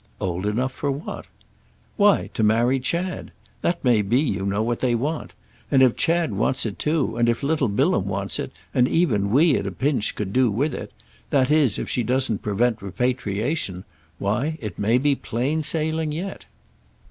"Old enough for what?" "Why to marry Chad. That may be, you know, what they want. And if Chad wants it too, and little Bilham wants it, and even we, at a pinch, could do with it—that is if she doesn't prevent repatriation—why it may be plain sailing yet."